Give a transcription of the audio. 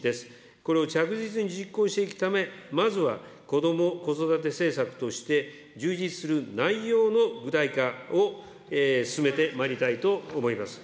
これを着実に実行していくため、まずは、こども・子育て政策として、充実する内容の具体化を進めてまいりたいと思います。